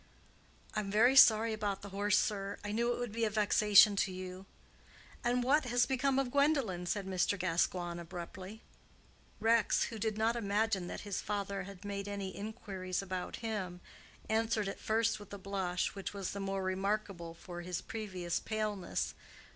"I'm very sorry about the horse, sir; I knew it would be a vexation to you." "And what has become of Gwendolen?" said Mr. Gascoigne, abruptly. Rex, who did not imagine that his father had made any inquiries about him, answered at first with a blush, which was the more remarkable for his previous paleness.